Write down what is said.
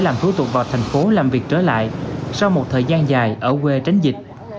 làm thủ tục vào thành phố làm việc trở lại sau một thời gian dài ở quê tránh dịch